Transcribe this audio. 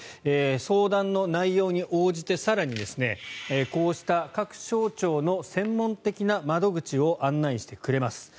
相談の内容に応じて更に、こうした各省庁の専門的な窓口を案内してくれます。